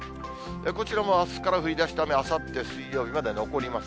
こちらもあすから降りだした雨、あさって水曜日まで残ります。